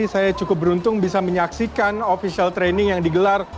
saya cukup beruntung bisa menyaksikan official training yang digelar